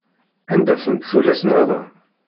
Anda-tent tullas-nniḍen?